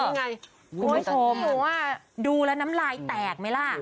คุณผู้ชมหนูว่าดูแล้วน้ำลายแตกไหมล่ะ